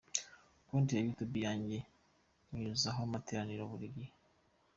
Konti ya Youtube yanjye inyuzaho amateraniro buri gihe.